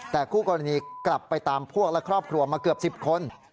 แต่คู่กรณีกลับไปตามพวกและครอบครัวมาเกือบ๑๐คน